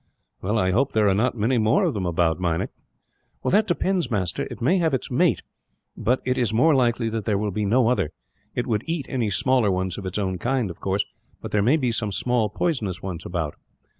"Well, I hope there are not many more of them about, Meinik." "That depends, master. It may have its mate, but it is more likely there will be no other. It would eat any smaller ones of its own kind, of course; but there may be some small poisonous ones about."